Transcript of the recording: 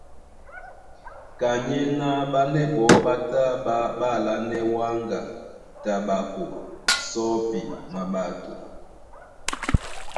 Kanyéná ɓánɛ́ ɓɔɔ́ ɓá tá ɓá alánɛ́ wáŋga, taɓako, sɔ́pi, maɓato.